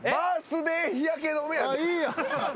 いいやん。